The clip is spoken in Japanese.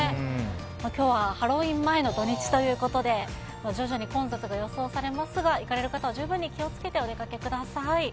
きょうはハロウィーン前の土日ということで、徐々に混雑が予想されますが、行かれる方は十分に気をつけてお出かけください。